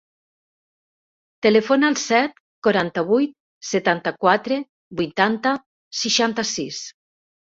Telefona al set, quaranta-vuit, setanta-quatre, vuitanta, seixanta-sis.